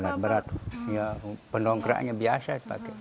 alat berat penongkraknya biasa pakai